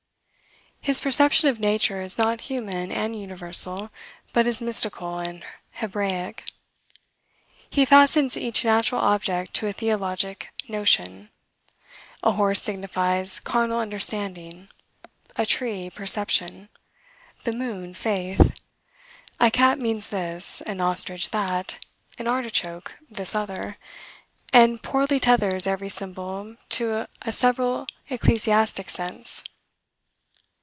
His perception of nature is not human and universal, but is mystical and Hebraic. He fastens each natural object to a theologic notion: a horse signifies carnal understanding; a tree, perception; the moon, faith; a cat means this; an ostrich, that; an artichoke, this other; and poorly tethers every symbol to a several ecclesiastic sense.